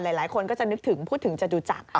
หลายคนก็จะนึกถึงพูดถึงจตุจักร